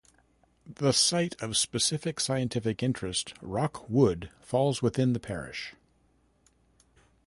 The Site of Special Scientific Interest Rock Wood falls within the parish.